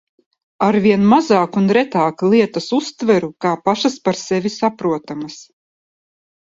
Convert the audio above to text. Arvien mazāk un retāk lietas uztveru kā pašas par sevi saprotamas.